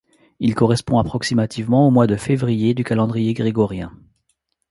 Il correspond approximativement au mois de février du calendrier grégorien.